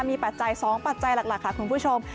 มีปัจจัย๒ปัจจัยหลักค่ะคุณผู้ชม